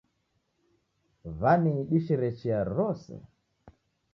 W'aniidishire chia rose